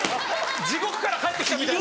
地獄から帰って来たみたいな。